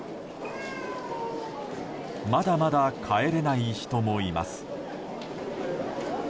まだまだ帰れない人もいます。